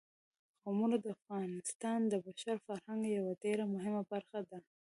قومونه د افغانستان د بشري فرهنګ یوه ډېره مهمه برخه ده.